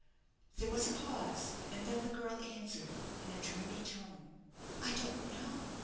There was a pause, and then the girl answered, in a dreamy tone "I don't know.